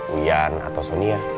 wian atau sonia